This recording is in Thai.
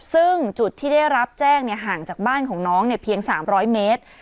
ซึ่งจุดที่ได้รับแจ้งเนี่ยห่างจากบ้านของน้องเนี่ยเพียงสามร้อยเมตร